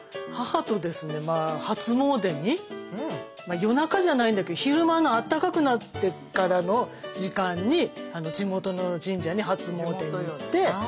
夜中じゃないんだけど昼間のあったかくなってからの時間に地元の神社に初詣に行って。